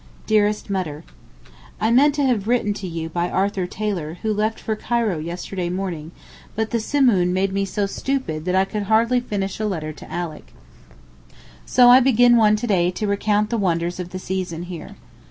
DEAREST MUTTER, I meant to have written to you by Arthur Taylor, who left for Cairo yesterday morning, but the Simoom made me so stupid that I could hardly finish a letter to Alick. So I begin one to day to recount the wonders of the season here.